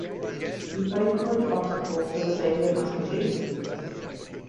He played college basketball for the Xavier Musketeers.